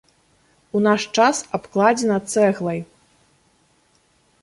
У наш час абкладзена цэглай.